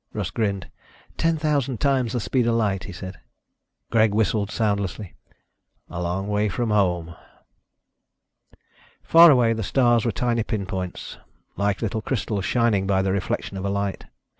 Russ grinned. "Ten thousand times the speed of light," he said. Greg whistled soundlessly. "A long way from home." Far away, the stars were tiny pinpoints, like little crystals shining by the reflection of a light.